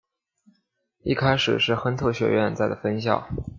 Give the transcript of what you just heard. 一开始是亨特学院在的分校。